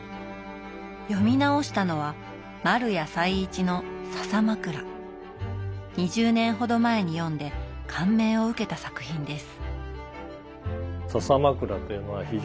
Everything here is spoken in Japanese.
読み直したのは２０年ほど前に読んで感銘を受けた作品です。